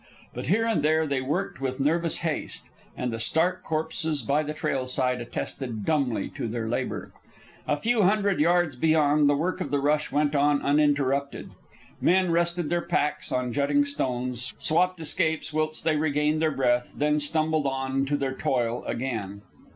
But here and there they worked with nervous haste, and the stark corpses by the trail side attested dumbly to their labor. A few hundred yards beyond, the work of the rush went on uninterrupted. Men rested their packs on jutting stones, swapped escapes whilst they regained their breath, then stumbled on to their toil again.